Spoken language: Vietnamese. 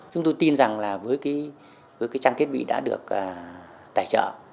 chúng tôi tin rằng là với trang thiết bị đã được tài trợ